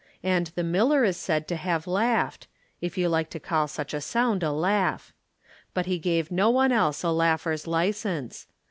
And the Miller is said to have laughed If you like to call such a sound a laugh. But he gave no one else a laugher's license.